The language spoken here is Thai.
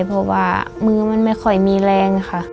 เพราะว่ามือมันไม่ค่อยมีแรงค่ะ